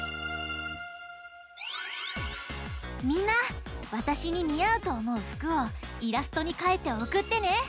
みんなわたしににあうとおもうふくをイラストにかいておくってね！